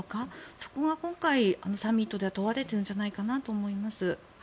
そこが今回、サミットでは問われてるんじゃないかと思います。